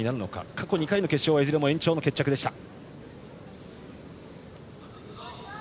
過去２回の決勝はいずれも延長の決着でした。